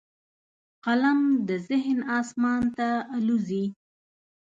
قلم د ذهن اسمان ته الوزي